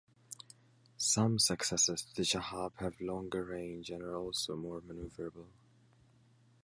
Some successors to the Shahab have longer range and are also more maneuverable.